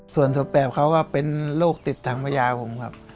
ส่วนสัตว์แปบเขาก็เป็นโรคติดธังพยาบาล